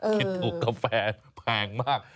คิดถูกกาแฟแพงมาก